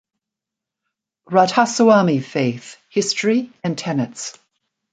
"Radhasoami Faith - History and Tenets".